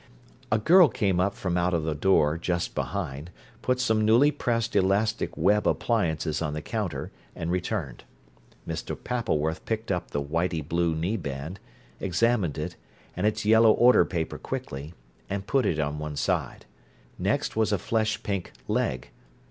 A girl came up from out of a door just behind, put some newly pressed elastic web appliances on the counter, and returned. Mr. Pappleworth picked up the whitey blue knee band, examined it, and its yellow order paper quickly, and put it on one side. Next was a flesh pink "leg".